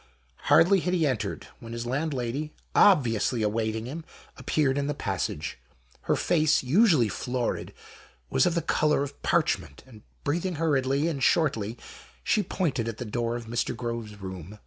Hardly had he entered, when his landlady, obviously awaiting him, appeared in the passage : her face, usually florid, was of the colour of parchment, and, breathing hurriedly and shortly, she pointed at the door of Mr. Groves' room.